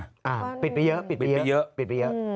ปิดไปเยอะปิดไปเยอะปิดไปเยอะ